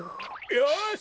よし！